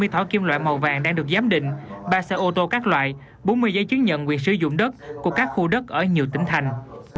hai mươi thỏ kim loại màu vàng đang được giám định ba xe ô tô các loại bốn mươi giấy chứng nhận quyền sử dụng đất của các khu đất ở nhiều tỉnh thành